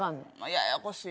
ややこしい。